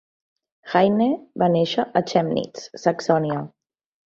Heyne va néixer a Chemnitz, Saxònia.